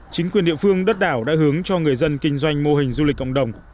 chính quyền địa phương đất đảo đã hướng cho người dân kinh doanh mô hình du lịch cộng đồng